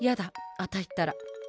あたいったら。